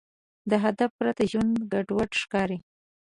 د هدف پرته ژوند ګډوډ ښکاري.